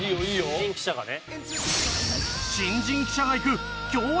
新人記者がね。